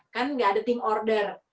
kan gak ada tim order